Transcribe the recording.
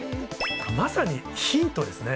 まさにヒントですね。